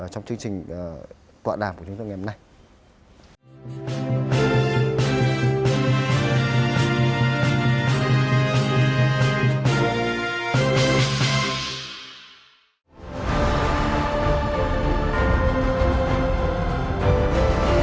trong chương trình tọa đàm của chúng tôi ngày hôm nay